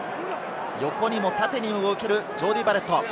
横にも縦にも動けるジョーディー・バレット。